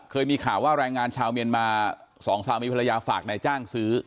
เคยมีข่าวว่าแรงงานชาวเมียนมาสองสามีภรรยาฝากนายจ้างซื้อ